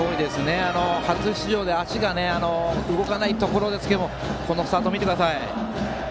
初出場で足が動かないところですがスタート、見てください。